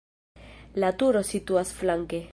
La turo situas flanke.